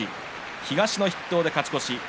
東の筆頭で勝ち越し。